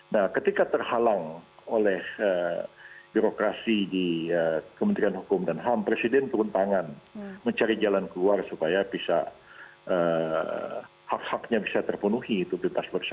nah ketika terhalang oleh birokrasi di kementerian hukum dan ham presiden turun tangan mencari jalan keluar supaya bisa bebas